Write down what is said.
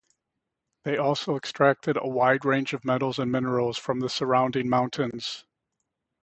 They also extracted a wide range of metals and minerals from the surrounding mountains.